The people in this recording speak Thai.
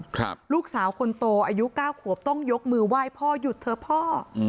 ครับลูกสาวคนโตอายุเก้าขวบต้องยกมือไหว้พ่อหยุดเถอะพ่ออืม